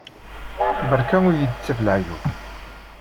Beṛka ur iyi-d-ttaf leɛyub!